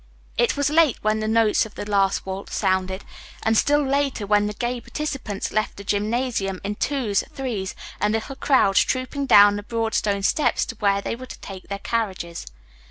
It was late when the notes of the last waltz sounded, and still later when the gay participants left the gymnasium in twos, threes and little crowds trooping down the broad stone steps to where they were to take their carriages.